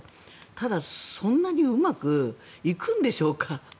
ただ、そんなにうまくいくんでしょうか。